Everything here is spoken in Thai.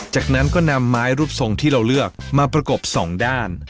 จากนั้นก็นำไม้รูปทรงที่เราเลือกมาประกบสองด้าน